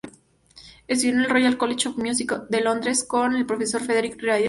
Estudió en el Royal College of Music en Londres con el profesor Frederick Riddle.